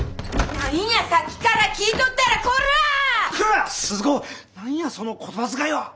何やその言葉遣いは！